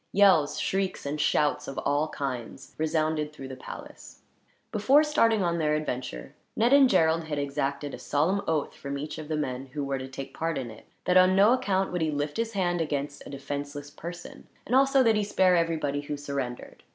Yells, shrieks, and shouts of all kinds resounded through the palace. Before starting on their adventure, Ned and Gerald had exacted a solemn oath, from each of the men who were to take part in it, that on no account would he lift his hand against a defenseless person; and also that he spare everybody who surrendered.